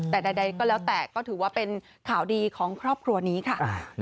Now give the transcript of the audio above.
แต่ใดก็แล้วแต่ก็ถือว่าเป็นข่าวดีของครอบครัวนี้ค่ะ